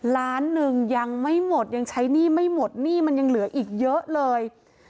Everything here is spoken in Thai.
ล้านหนึ่งยังไม่หมดยังใช้หนี้ไม่หมดหนี้มันยังเหลืออีกเยอะเลย